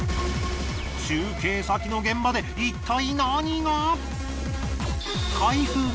中継先の現場でいったい何が！？